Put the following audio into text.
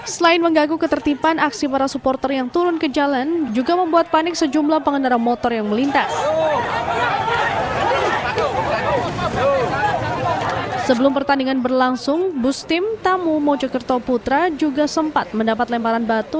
sebelum pertandingan berlangsung bus tim tamu mojokerto putra juga sempat mendapat lemparan batu